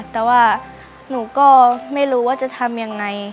แต่ว่าหนูก็ไม่รู้ว่าจะทำยังไง